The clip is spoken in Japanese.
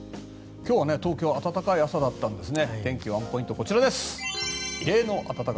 今日は東京暖かい朝だったんですね。